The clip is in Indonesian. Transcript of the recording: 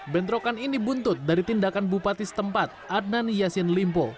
bentrokan ini buntut dari tindakan bupati setempat adnani yasin limpul